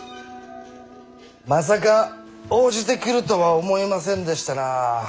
まさか応じてくるとは思いませんでしたな。